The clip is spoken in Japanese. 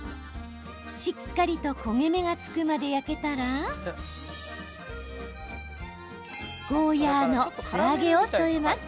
しっかりと焦げ目がつくまで焼けたらゴーヤーの素揚げを添えます。